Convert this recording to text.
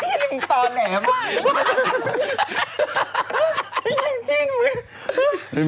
ตอนแหลมหนึ่งตอนแหลม